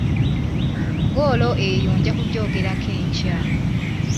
Ggoolo eyo nja kugyogerako enkya.